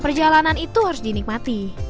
perjalanan itu harus dinikmati